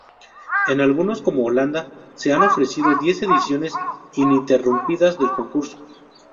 En algunos, como Holanda, se han ofrecido diez ediciones ininterrumpidas del concurso.